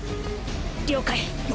了解。